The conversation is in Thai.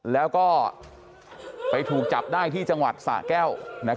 แล้วก็ไปถูกจับได้ที่จังหวัดสะแก้ว